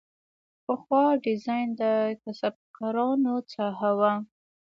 پخوا ډیزاین د کسبکارانو ساحه وه.